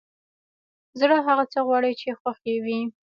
زړه هغه څه غواړي چې خوښ يې وي!